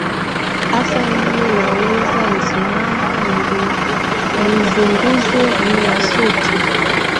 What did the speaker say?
hasa nie naweza ni simama nizungumze nina sauti